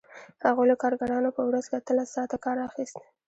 هغوی له کارګرانو په ورځ کې اتلس ساعته کار اخیست